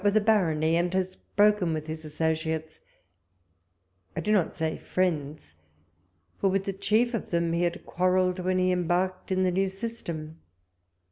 93 with a barony, and has broken with liis asso ciates — I do not say friends, for with the chief of them he liad quarrelled when he embarked in the new system.